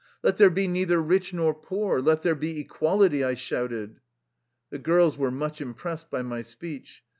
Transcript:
" Let there be neither rich nor poor ! Let there be equality !" I shouted. The girls were much impressed by my speech.